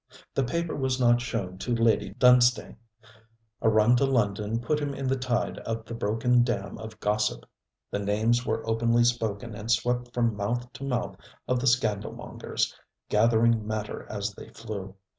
The paper was not shown to Lady Dunstane. A run to London put him in the tide of the broken dam of gossip. The names were openly spoken and swept from mouth to mouth of the scandalmongers, gathering matter as they flew.